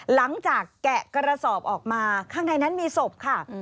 แกะกระสอบออกมาข้างในนั้นมีศพค่ะ